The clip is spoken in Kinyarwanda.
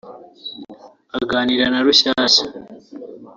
Aganira na Rushyashya